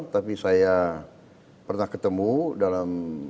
tapi saya pernah ketemu dalam